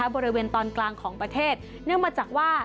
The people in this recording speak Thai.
บริเวณตอนกลางของประเทศเนื่องมาจากว่า